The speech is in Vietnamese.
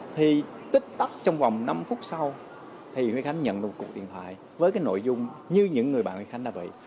thì tích tắc trong vòng năm phút sau thì huy khánh nhận được một cuộc điện thoại với cái nội dung như những người bạn huy khánh đã bị